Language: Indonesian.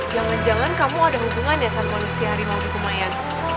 jangan jangan kamu ada hubungan ya sama manusia harimau di kumayan